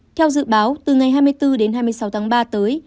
theo dự báo từ ngày hai mươi bốn đến hai mươi sáu tháng ba tới